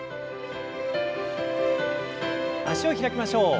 脚を開きましょう。